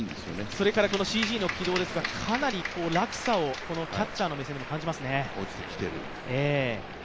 それからＣＧの軌道ですが、かなり落差をキャッチャーの目線でも感じますよね。